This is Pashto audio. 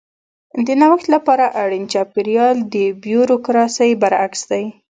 د نوښت لپاره اړین چاپېریال د بیوروکراسي برعکس دی.